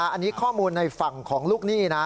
อันนี้ข้อมูลในฝั่งของลูกหนี้นะ